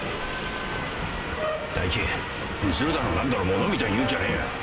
第一譲るだの何だのモノみたいに言うんじゃねえよ。